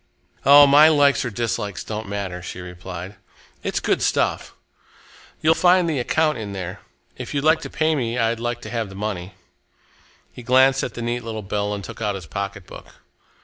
"Oh! my likes or dislikes don't matter," she replied. "It's good stuff. You'll find the account in there. If you'd like to pay me, I'd like to have the money." He glanced at the neat little bill and took out his pocketbook.